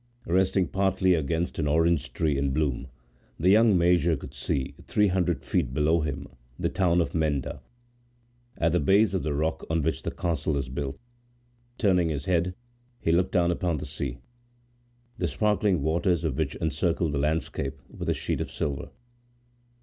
Resting partly against an orange tree in bloom, the young major could see, three hundred feet below him, the town of Menda, at the base of the rock on which the castle is built. Turning his head, he looked down upon the sea, the sparkling waters of which encircled the landscape with a sheet of silver.